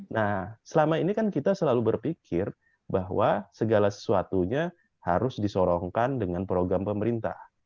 nah selama ini kan kita selalu berpikir bahwa segala sesuatunya harus disorongkan dengan program pemerintah